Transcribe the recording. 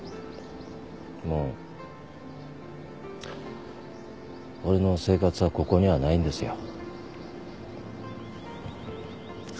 もう俺の生活はここにはないんですよ。